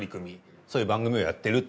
そういう番組をやってると。